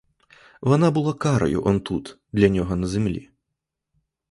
Вона була карою он тут для нього на землі.